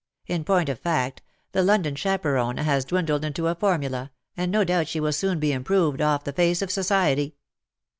In point of fact, the London chaperon has dwindled into a formula, and no doubt she will soon be improved off the face of society.